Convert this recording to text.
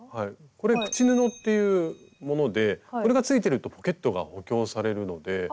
これ「口布」っていうものでこれがついてるとポケットが補強されるので。